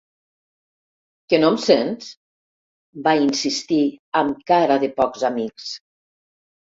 Que no em sents? —va insistir amb cara de pocs amics.